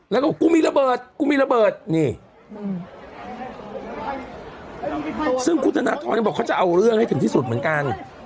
แล้วก็บอกกูมีระเบิดกูมีระเบิดนี่ซึ่งคุณธนทรยังบอกเขาจะเอาเรื่องให้ถึงที่สุดเหมือนกัน